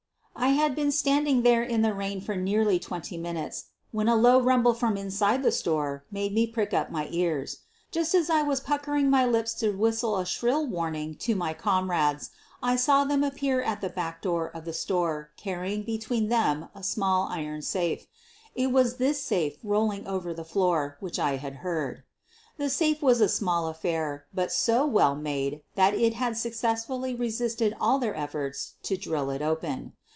I had been standing there in the rain for nearly twenty minutes when a low rumble from inside the store made me prick up my ears. Just as I was puckering my lips to whistle a shrill warning to my comrades I saw them appear at the back door of the store carrying between them a small iron safe. It was this safe rolling over the floor which I had heard. The safe was a small affair, but so well made that it had successfully resisted all their efforts to drillj it open.